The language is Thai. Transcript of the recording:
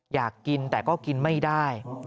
อยากกินแต่ก็กินไม่ได้